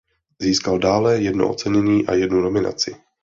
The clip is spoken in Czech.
Získal dále jedno ocenění a jednu nominaci.